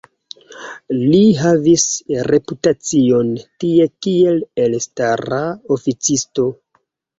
Li havis reputacion tie kiel elstara oficisto.